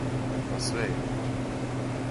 Ма све је!